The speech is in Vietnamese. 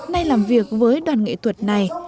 nay làm việc với đoàn nghệ thuật này